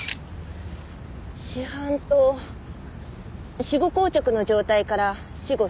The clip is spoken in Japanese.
死斑と死後硬直の状態から死後７８時間。